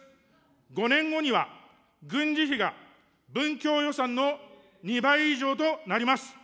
５年後には、軍事費が文教予算の２倍以上となります。